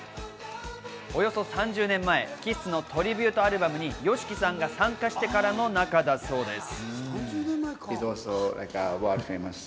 およそ３０年前、ＫＩＳＳのトリビュートアルバムにＹＯＳＨＩＫＩさんが参加してからの仲だそうです。